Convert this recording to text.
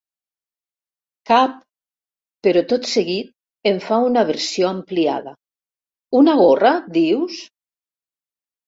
"Cap!" però tot seguit en fa una versió ampliada: "Una gorra, dius?"